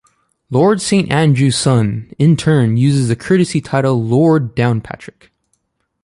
Lord Saint Andrews' son, in turn, uses the courtesy title "Lord Downpatrick".